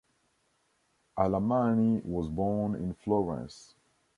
Alamanni was born in Florence.